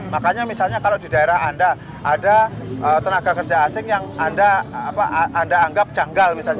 makanya misalnya kalau di daerah anda ada tenaga kerja asing yang anda anggap janggal misalnya